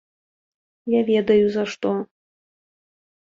Я ведаю за што.